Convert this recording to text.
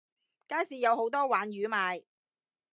街市有好多鯇魚賣